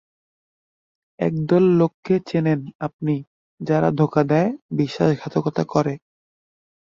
একদল লোককে চেনেন আপনি যারা ধোঁকা দেয়, বিশ্বাসঘাতকতা করে।